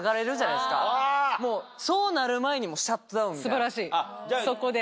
素晴らしいそこで。